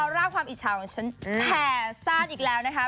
รากความอิจฉาของฉันแผ่ซ่านอีกแล้วนะคะ